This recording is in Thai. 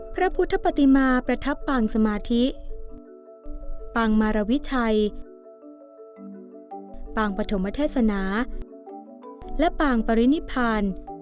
พระพุทธปฏิมาประทับปางสมาธิปางมารวิชัยปางปฐมเทศนาและปางปรินิพาน